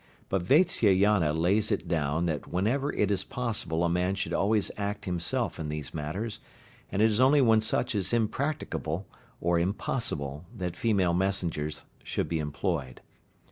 But Vatsyayana lays it down that whenever it is possible a man should always act himself in these matters, and it is only when such is impracticable, or impossible, that female messengers should be employed.